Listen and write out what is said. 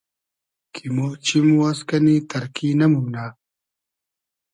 کی مۉ چیم واز کئنی تئرکی نئمومنۂ